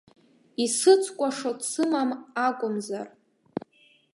Исыцкәашо дсымам акәымзар.